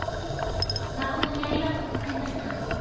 誠にありがとうございました。